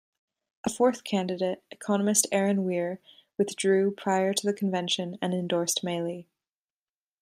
A fourth candidate, economist Erin Weir withdrew prior to the convention and endorsed Meili.